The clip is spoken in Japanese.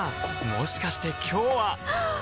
もしかして今日ははっ！